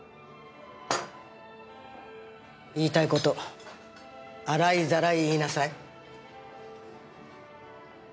言いたい事洗いざらい言いなさい。